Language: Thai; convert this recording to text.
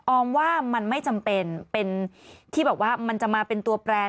ออมว่ามันไม่จำเป็นเป็นที่แบบว่ามันจะมาเป็นตัวแปรน